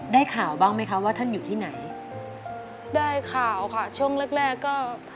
ได้ข่าวบ้างไหมคะว่าท่านอยู่ที่ไหนได้ข่าวค่ะช่วงแรกแรกก็